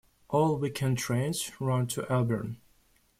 All weekend trains run to Elburn.